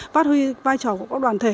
phát huy vai trò của các đoàn thể